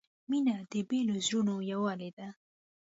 • مینه د بېلو زړونو یووالی دی.